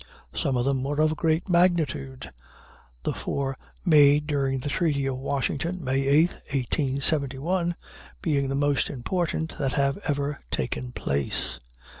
Some of them were of great magnitude, the four made under the treaty of Washington (May 8, 1871) being the most important that have ever taken place.